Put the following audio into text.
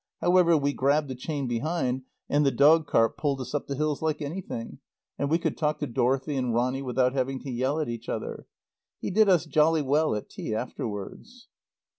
However we grabbed the chains behind and the dog cart pulled us up the hills like anything, and we could talk to Dorothy and Ronny without having to yell at each other. He did us jolly well at tea afterwards.